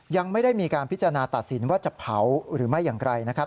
ยังไม่ได้มีการพิจารณาตัดสินว่าจะเผาหรือไม่อย่างไรนะครับ